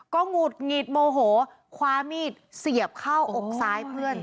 ก็หงุดหงิดโมโหคว้ามีดเสียบเข้าอกซ้ายเพื่อน